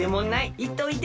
いっといで。